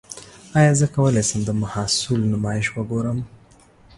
ایا زه کولی شم د محصول نمایش وګورم؟